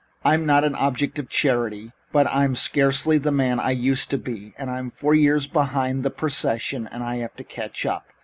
I'm not an object of charity, but I'm scarcely the man I used to be and I'm four years behind the procession and have to catch up.